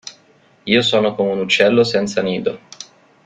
Io sono come un uccello senza nido.